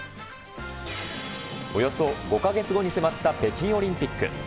およそ５か月後に迫った北京オリンピック。